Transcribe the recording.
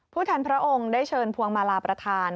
แทนพระองค์ได้เชิญพวงมาลาประธาน